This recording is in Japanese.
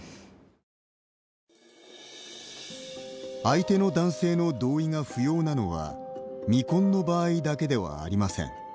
相手の男性の同意が不要なのは未婚の場合だけではありません。